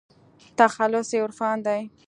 تخلص يې عرفان دى.